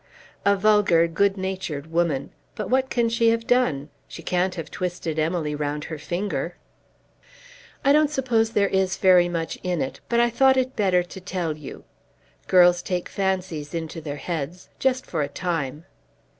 "A vulgar, good natured woman. But what can she have done? She can't have twisted Emily round her finger." "I don't suppose there is very much in it, but I thought it better to tell you. Girls take fancies into their heads, just for a time."